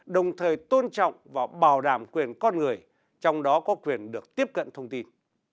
đồng thời tôn trọng và bảo đảm quyền con người trong đó có quyền được tiếp cận thông tin